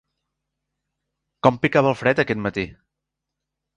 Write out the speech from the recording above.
Com picava el fred aquest matí!